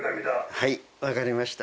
はいわかりました。